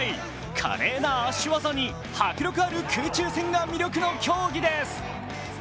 華麗な足技に迫力ある空中戦が魅力の競技です。